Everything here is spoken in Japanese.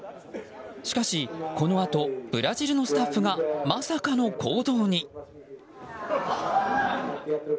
しかし、このあとブラジルのスタッフがまさかの行動に。